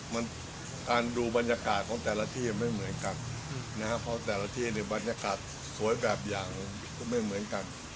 มันการดูบรรยากาศของแต่ละที่ไม่เหมือนกันนะครับเพราะแต่ละที่เนี่ยบรรยากาศสวยแบบอย่างก็ไม่เหมือนกัน